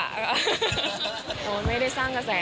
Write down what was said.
แต่ว่าไม่ได้สร้างกระแส